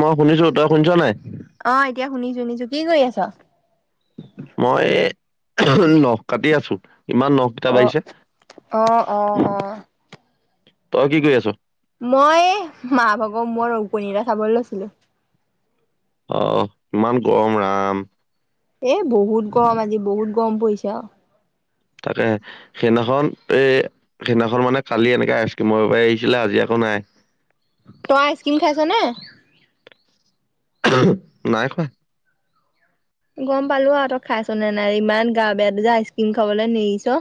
মই শুনিছো, তই শুনিছ নে নাই? অ', এতিয়া শুনিছো শুনিছো, কি কৰি আছ? মই, নখ কাটি আছো, ইমান নখ কেতা অ বাঢ়িছে, অ অ অ তই কি কৰি আছ? মই, মাহ ভাগৰ মোৰৰ ওকণি কেটা চাবলৈ লৈছিলোঁ। আহ, ইমান গৰম ৰাম। এ বহুত গৰম আজি, বহুত গৰম পৰিছে আৰু। তাকে, সেইদিনাখন এই সেইদিনাখন মানে কালি এনেকে আইচক্ৰীমৰ আহিছিলে আজি আকৌ নাই। তোমাৰ আইচকিম খাইছ নে? [unintelligible] নাই খোৱা। গম পালো আৰু, তই খাইছ নে নাই, ইমান গা বেয়া ত' যে আইচক্ৰীম খাবলৈ নেৰিছ।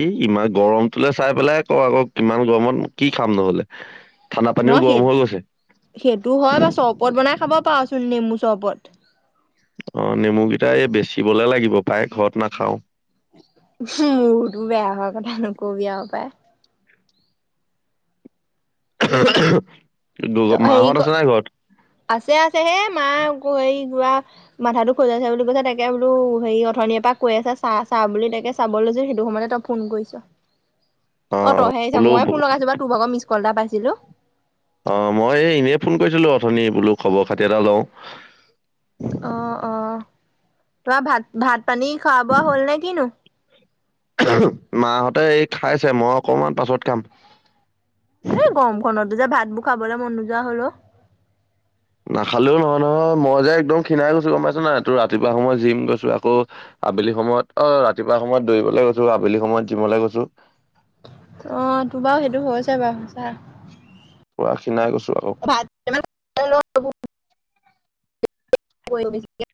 এই ইমান গৰমটোলৈ চাই পেলাই ক' আকৌ কিমান গৰমত কি খাম নহ'লে। ঠাণ্ডা পানীও নহ গৰম সেই, হৈ গৈছে সেইটো হয় বা চৰবত বনাই খাব পাৰচোন নেমু চৰবত। অ', নেমু কেইটা এই বেচিবলে লাগিব পায় ঘৰত নাখাওঁ। উম, মূৰতো বেয়া হোৱাৰ কথা নকবি আৰু পায়। [unintelligible] ত তোৰ হেৰি ক মাহঁত আছে নে নাই ঘৰত? আছে আছে, হে মা হেৰি ঘূৰা মাথাতো খজুৱাইছে বুলি কৈছে, তাকে বোলো হেৰি অথনিৰ পৰা কৈ আছে চা চা বুলি, তাকে চাব লৈছো সেইটো সময়তে তই ফোন কৰিছ। [inaudible] অ', তই হেৰি চা বোলো ময়ে ফোন লগাইছো বাৰু তোৰ ভাগৰ মিচ কল এটা পাইছিলোঁ। অ', মই এই এনেই ফোন কৰিছিলো অথনি বোলো খবৰ খাতি এটা লওঁ। অ', অ', তোমাৰ ভাত, ভাত পানী খোৱা বোৱা হ'ল নে কিনো। মাহঁতে এই খাইছে, মই অকমান পাছত খাম। এই গৰমখনত যে ভাতবোৰ খাবলে মন নোযোৱা হ'ল অ'। নাখালেও নহয় নহয়, মই যে একদম খীণাই গৈছো গম পাইছ নাই, তোৰ ৰাতিপুৱা সময় জিম গৈছো আকৌ আবেলি সময়ত অ', ৰাতিপুৱা সময়ত দৌৰিবলৈ গৈছো, আবেলি সময়ত জিমলৈ গৈছো। অ', তোৰ বাৰু সেইটো হৈছে বাৰু সঁচা। পুৰা খীণাই গৈছো আকৌ। [unintelligible]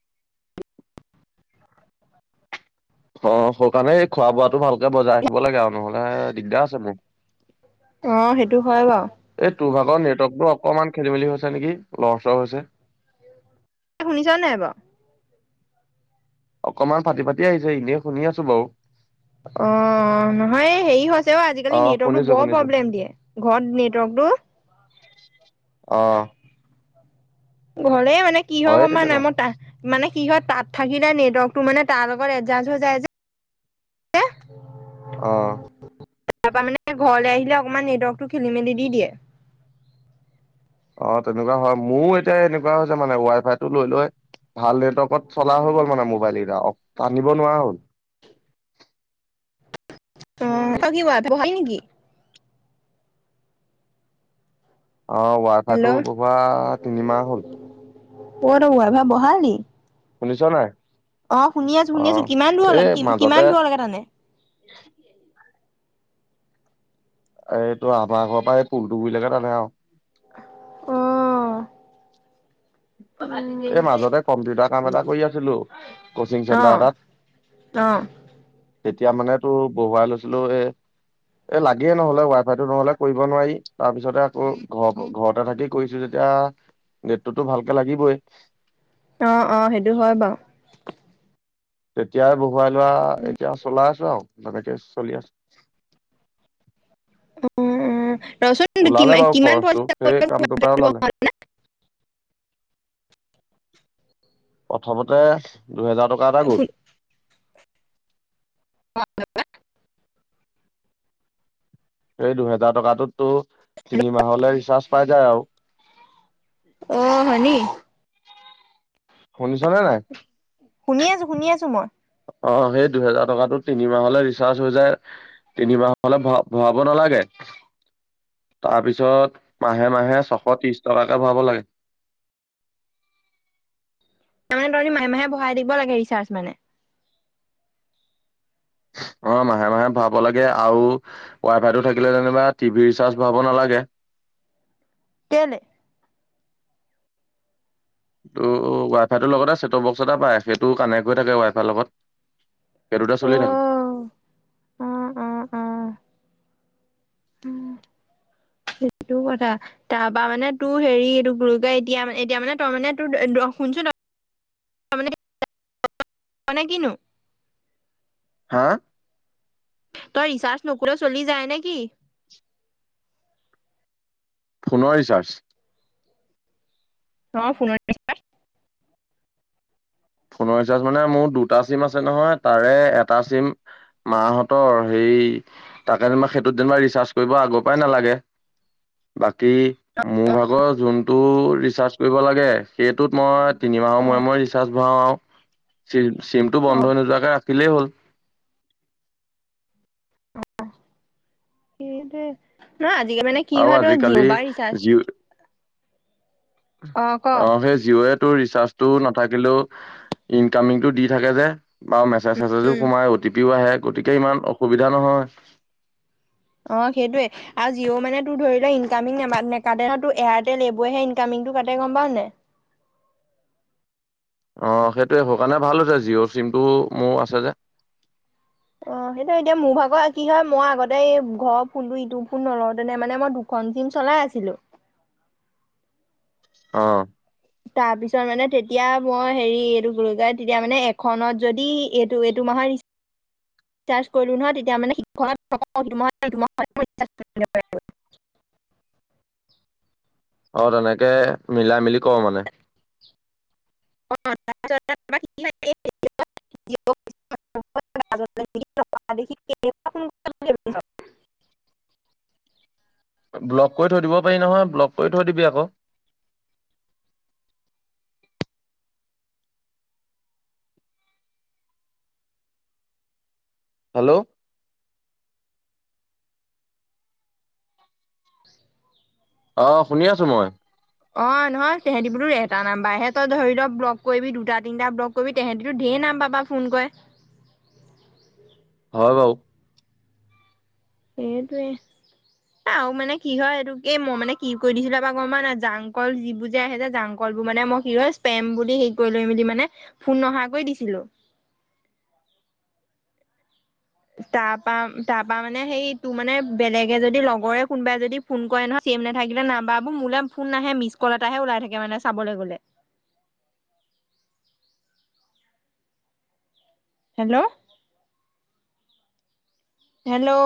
অ', সৌকাৰণে এই খোৱা বোৱাটো ভালকে বজাই ৰাখিব লাগে আৰু, নহ'লে দিগদাৰ আছে মোৰ। অ', সেইটো হয় বাৰু। এই তোৰ ভাগৰ নেটৱৰ্কতো অকমান খেলি মেলি হৈছে নেকি, লৰচৰ হৈছে। শুনিছনে নাই বাৰু? অকনমান ফাটি ফাটি আহিছে, এনে শুনি আছো বাৰু। অ', নহয় হেৰি হৈছে অ' আজিকালি নেটৱৰ্কতো শুনিছো বৰ শুনিছো প্ৰব্লেম দিয়ে। ঘৰত নেটৱৰ্কটো অ ঘৰে মানে কি হয় হয়ে গম পাৱ তেনেকুৱা নাই মই তা মানে কি হয় তাত থাকিলে নেটৱৰ্কটো মানে তাৰ লগত এডজাষ্ট হৈ যায় যে অ তাৰ পা মানে ঘৰলে আহিলে অকমান নেটৱৰ্কটো খেলি মেলি দি দিয়ে। অ তেনেকুৱা হয় মোৰো এতিয়া এনেকুৱা হৈছে মানে ৱাইফাইটো লৈ লৈ ভাল নেটৱৰ্কত চলা হৈ গ'ল মানে মোবাইল কেইটা অ টানিব নোৱাৰা হ'ল। অঁ তই কি ৱাইফাই বহালি নিকি। অ হেল্ল' ৱাইফাইটো অ', বহোৱা তিনিমাহ হ'ল অ তই ৱাইফাই বহালি শুনিছ নাই। অ শুনি আছো অ শুনি আছো কিমান দূৰলে এই কিম মাজতে কিমান দূৰৰ লেকে টানে। এই তোৰ আমাৰ ঘৰৰ পৰা এই পুলটো গুৰিলৈকে তানে আৰু। অঁ এই মাজতে কম্পিউটাৰ কাম এটা কৰি আছিলো কচিং চেণ্টাৰ এটাত। অঁ তেতিয়া মানে তোৰ বহুৱাই লৈছিলো এ এ লাগেই নহলে ৱাইফাইটো নহলে কৰিব নোৱাৰি তাৰ পিছতে আকৌ ঘৰ ঘৰতে থাকি কৰিছো যেতিয়া নেট টোতো ভালকে লাগিবই। অঁ অঁ সেইটো হয় বাৰু তেতিয়াই বহুৱাই লোৱা এতিয়া চলাই আছো আৰু তেনেকে চলি আছে। উম উম ৰচোন ওলালে কিমা বাৰু কিমান খৰচটো পইচা সেই কামটোৰ পৰাই ওলালে [unintelligible] প্ৰথমতে দুহেজাৰ টকা এটা গল [unintelligible] এই দুহেজাৰ টকাটোত তোৰ তিনিমাহলে ৰিচাৰ্জ পাই যায় আৰু অ হয়নি শুনিছ নে নাই। শুনি আছো শুনি আছো মই। অ সেই দুহেজাৰ টকাটোত তিনি মাহলে ৰিচাৰ্জ হৈ যায়। তিনিমাহ হলে ভ ভৰাব নালাগে। তাৰ পিছত মাহে মাহে ছশ ত্ৰিশ টকাকে ভৰাব লাগে। তাৰমানে তহতি মাহে মাহে ভৰাই থাকিব লাগে ৰিচাৰ্জ মানে অ মাহে মাহে ভাব লাগে আউ ৱাইফাইটো থাকিলে যেনিবা টিভি ৰিচাৰ্জ ভৰাব নালাগে। কেলে তোৰ ৱাইফাইটোৰ লগতে ছেটটপ বক্স এটা পায় সেইটো কানেক্ট হৈ থাকে ৱাইফাইৰ লগত সেই দুটা চলি থাকে। অ', অ অ অ সেইটো কথা। তাৰ পা মানে তোৰ হেৰি এইটো কি বুলি কয় এতিয়া মান এতিয়া মানে তই মানে তোৰ দ শুনছোন মানে কি নো। হা তই ৰিচাৰ্ছ নকৰিলেও চলি যায় নে কি? ফোনৰ ৰিচাৰ্জ অ ফোন ৰিচাৰ্জ ফোনৰ ৰিচাৰ্জ মানে মোৰ দুটা চিম আছে নহয় তাৰে এটা চিম। মাহঁতৰ সেই তাকে যেনিবা সেইটোত যেনিবা ৰিচাৰ্জ কৰিব আগৰ পৰাই নালাগে। বাকী। মোৰ ভাগৰ যোনটো ৰিচাৰ্জ কৰিব লাগে সেইটোত মই তিনিমাহৰ মূৰে মূৰে ৰিচাৰ্চ। ভৰাও আও আৰু চি চিমতটো অ বন্ধ হৈ নোযোৱাকে ৰাখিলেই হ'ল। সেইটোৱে। নহ আজিকালি মানে কি আৰু হয় তোৰ আজিকালি ম'বাইল চাৰ্জ জিঅ' অ সেই জিওত। তোৰ ৰিচাৰ্ছটো নাথাকিলো ইনকামিং দি থাকে যে বাও মেছেজটো। ও উম সোমাই অ টি পিও আহে গতিকে ইমান অসুবিধা নহয়। অ' সেইটয়ে। আৰু জিঅ' মানে তোৰ ধৰি ল' ইনকামিংটো নাকাতে এয়াৰটেল এইবোৰেহে ইনকামিংটো কাটে গম পাৱ নে? অ' সেইটোৱে সেই কাৰণে ভাল হৈছে জিঅ' চিমটো মোৰ আছে যে। অ' সেইটো এতিয়া মোৰ ভাগৰ কি হয় মই আগতে এই ঘৰ ফৈনটো ইটো ফোন নলওঁ তেনে মানে মই দু খন চিম চলাই আছিলোঁ। অ। তাৰপিছত মানে তেতিয়া মই হেৰি এইটো কি বুলি কয় তেতিয়া মানে এখনত যদি এইটো এইটো মাহৰ ৰি [unintelligible] [unintelligible] অ' তেনেকে মিলাই মিলি কৰ মানে। [unintelligible] [unintelligible] [unintelligible] ব্লক কৰি থৈ দিব পাৰি নহয় ব্লক কৰি থৈ দিবি আকৌ। হেল্ল'। অ' শুনি আছো মই। অ' নহয় তেহেতি বুলি এটা নাম্বাৰহে ত‌ই ধৰি ল' দুটা তিনিটা ব্লক কৰিবি তেহেঁতিতো ঢেৰ নাম্বাৰ পা ফোন কৰে। হয় বাৰু। সেইটোৱেই। আও আৰু মানে কি হয় এই মই মানে কি কৰি দিছিলো এবাৰ গম পোৱা নাই জাংকল যিবোৰ যে আহে যে জাংকল কলবোৰ মানে মই স্পেম বুলি হেৰি কৰি লৈ মেলি মানে ফোন নহা কৰি দিছিলোঁ। তাৰপা, তাৰপা মানে সেই তোৰ মানে বেলেগে যদি লগৰে কোনবাই যদি ফোন কৰে নহয় চিম নাথাকিলে নাম্বাৰাবোৰ মোলে ফোন নাহে মিছ কল এটাহে ওলাই থাকে মানে চাবলৈ গ'লে। হেল্ল'? হেল্ল'?